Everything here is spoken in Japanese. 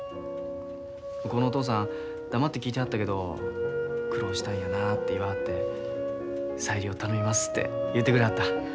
向こうのお父さん黙って聞いてはったけど苦労したんやなって言わはって小百合を頼みますて言うてくれはった。